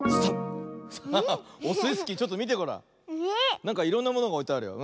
なんかいろんなものがおいてあるよ。